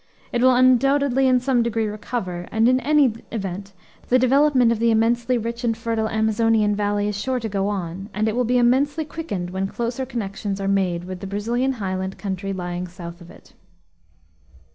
It will undoubtedly in some degree recover; and in any event the development of the immensely rich and fertile Amazonian valley is sure to go on, and it will be immensely quickened when closer connections are made with the Brazilian highland country lying south of it.